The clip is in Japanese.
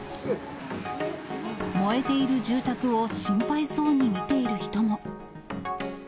燃えている住宅を心配そうに見ている人も。